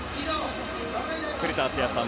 古田敦也さん